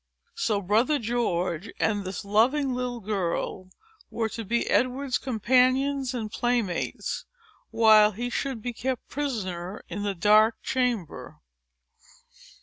So brother George, and this loving little girl, were to be Edward's companions and playmates, while he should be kept prisoner in the dark chamber.